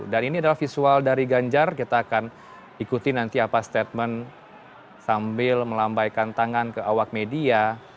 dan ini adalah visual dari ganjar kita akan ikuti nanti apa statement sambil melambaikan tangan ke awak media